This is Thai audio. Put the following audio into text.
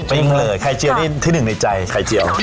ปิ้งเลยไข่เจียวนี่ที่หนึ่งในใจไข่เจียว